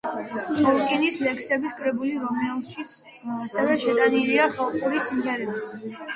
ტოლკინის ლექსების კრებული, რომელშიც ასევე შეტანილია ხალხური სიმღერები.